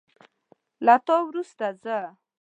له تا وروسته زه